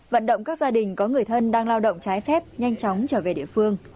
vận động các gia đình có người thân đang lao động trái phép nhanh chóng trở về địa phương